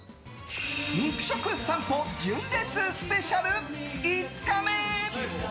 肉食さんぽ純烈スペシャル５日目。